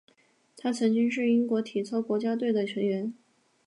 他曾经是英国体操国家队的成员。